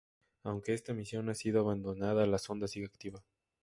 Aunque esta misión ha sido abandonada la sonda sigue activa.